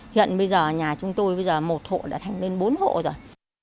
hiện bây giờ nhà chúng tôi bây giờ một hộ đã thành lên bốn hộ rồi